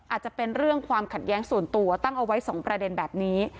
อาจจะเป็นเรื่องความขัดแย้งส่วนตัวตั้งเอาไว้๒ประเด็นแบบนี้